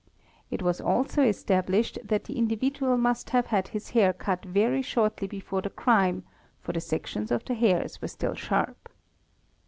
It wasalso established that the individual must have had his hair cut very shortly before the crime for the sections of the hairs were still sharp.